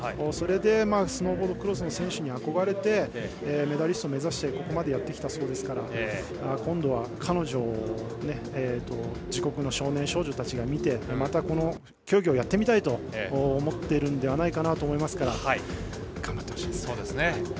それでスノーボードクロスの選手に憧れてメダリストを目指してここまでやってきたそうですから今度は彼女を自国の少年少女たちが見てまた、この競技をやってみたいと思ってるんではと思いますから頑張ってほしいですね。